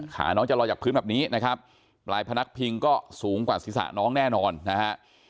น้องจะลอยจากพื้นแบบนี้นะครับปลายพนักพิงก็สูงกว่าศีรษะน้องแน่นอนนะฮะ